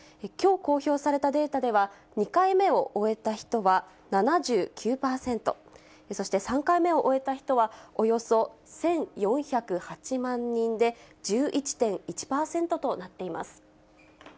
きょう公表されたデータでは、２回目を終えた人は７９％、そして３回目を終えた人は、およそ１４０８万人で１１．１％となっています。